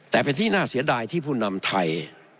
แต่เป็นที่น่าเสียดายที่ผู้นำไทย